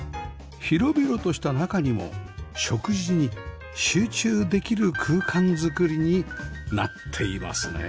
広々とした中にも食事に集中できる空間づくりになっていますね